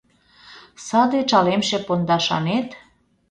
саде чалемше пондашанет